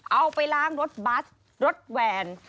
เอาไปล้างรถบัสรถแวน